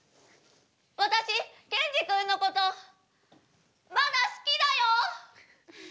私ケンジ君のことまだ好きだよ。